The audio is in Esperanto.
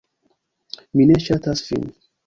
"Mi ne ŝatas vin."